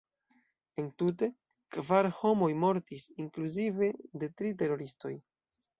Entute, kvar homoj mortis, inkluzive de tri teroristoj.